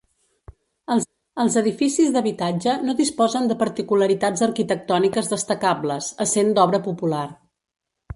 Els edificis d'habitatge no disposen de particularitats arquitectòniques destacables, essent d'obra popular.